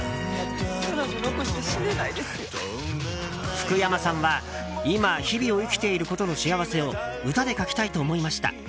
福山さんは、今日々を生きていることの幸せを歌で描きたいと思いました。